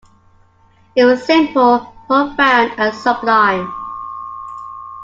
It was simple, profound, and sublime.